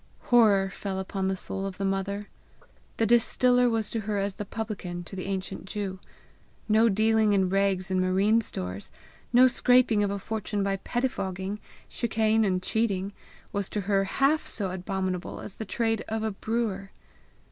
Horror fell upon the soul of the mother. The distiller was to her as the publican to the ancient Jew. No dealing in rags and marine stores, no scraping of a fortune by pettifogging, chicane, and cheating, was to her half so abominable as the trade of a brewer.